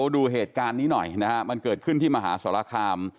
ดูเหตุการณ์นี้หน่อยนะฮะมันเกิดขึ้นที่มหาสรคาม